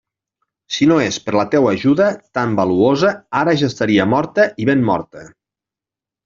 Si no és per la teua ajuda tan valuosa, ara ja estaria morta i ben morta.